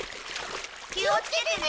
気をつけてね。